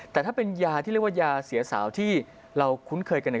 แต่ถ้าเป็นยาที่เรียกว่ายาเสียสาวที่เราคุ้นเคยกันเนี่ย